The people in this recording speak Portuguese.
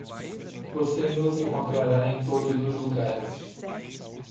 Você nos encontrará em todos os lugares.